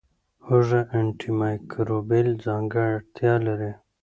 هوږه انټي مایکروبیل ځانګړتیا لري.